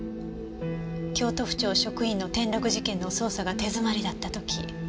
京都府庁職員の転落事件の捜査が手詰まりだった時。